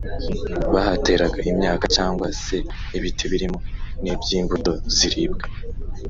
bahateraga imyaka cyangwa se ibiti birimo n’iby’imbuto ziribwa.